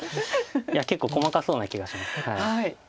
いや結構細かそうな気がします。